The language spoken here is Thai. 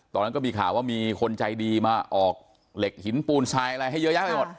ตอนนั้นก็มีข่าวว่ามีคนใจดีมาออกเหล็กหินปูนทรายอะไรให้เยอะแยะไปหมด